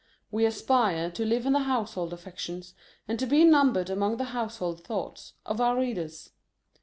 We aspire to live in the Household affec tions, and to be numbered among the House hold thoughts, of our readers.